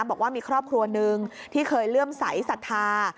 บอกว่ามีครอบครัวหนึ่งที่เคยเลื่อมใสสัทธา